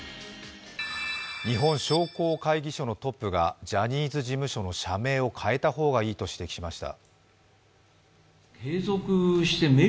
日本商工会議所のトップがジャニーズ事務所の社名を変えた方がいいと指摘しました。